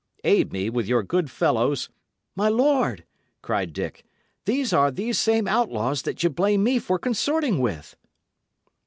Aid me with your good fellows" "My lord," cried Dick, "they are these same outlaws that ye blame me for consorting with."